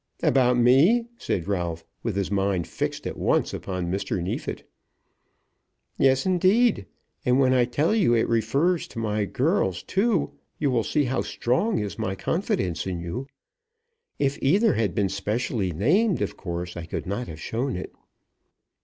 "About me?" said Ralph, with his mind fixed at once upon Mr. Neefit. "Yes, indeed; and when I tell you it refers to my girls too, you will see how strong is my confidence in you. If either had been specially named, of course I could not have shown it."